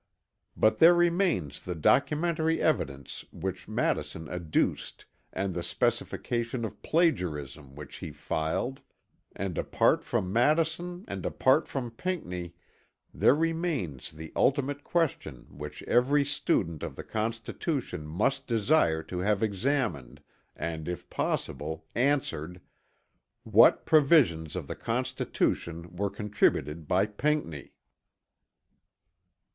But there remains the documentary evidence which Madison adduced and the specification of plagiarism which he filed; and apart from Madison and apart from Pinckney there remains the ultimate question which every student of the Constitution must desire to have examined, and if possible, answered, "What provisions of the Constitution were contributed by Pinckney"?